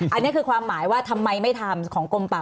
อันนี้คือความหมายว่าทำไมไม่ทำของกลมป่า